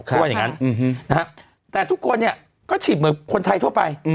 เขาว่าอย่างนั้นแต่ทุกคนเนี่ยก็ฉีดเหมือนคนไทยทั่วไป